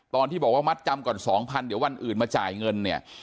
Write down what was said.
ตอนที่บอกว่ามัดจำก่อน๒๐๐เดี๋ยววันอื่นมาจ่ายเงินเนี่ย